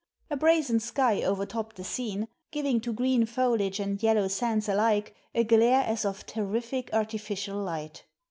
A brazen sky overtopped the scene, giving to green foliage and yellow sands alike, a glare as of terrific artificial light.